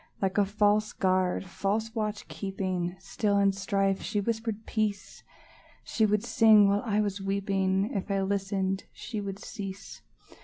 Like a false guard, false watch keeping, Still, in strife, she whispered peace; She would sing while I was weeping; If I listened, she would cease.